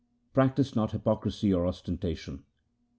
Practise not hypocrisy or ostentation.